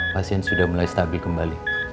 pasien sudah mulai stabil kembali